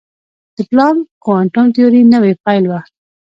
د پلانک کوانټم تیوري نوې پیل وه.